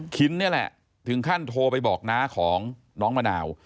คินนี่แหละถึงขั้นโทรไปบอกน้าของน้องมะนาว